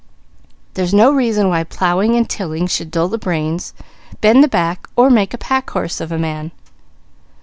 There's no reason why plowing and tilling should dull the brains, bend the back, or make a pack horse of a man.